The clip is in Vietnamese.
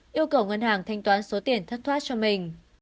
yêu cầu ngân hàng thanh toán số tiền thất thoát cho mình